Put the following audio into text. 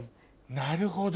なるほど。